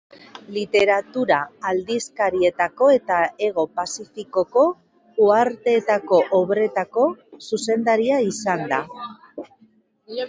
Literatura-aldizkarietako eta Hego Pazifikoko uharteetako obretako zuzendaria izan da.